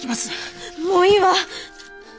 もういいわ！